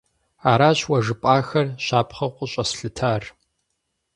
Аращ уэ жыпӀахэр щапхъэу къыщӀэслъытар.